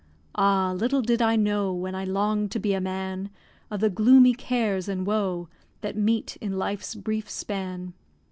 Ah, little did I know, When I long'd to be a man, Of the gloomy cares and woe, That meet in life's brief span.